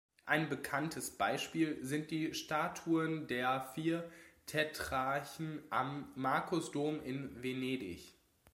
Ein bekanntes Beispiel sind die Statuen der vier Tetrarchen am Markusdom in Venedig.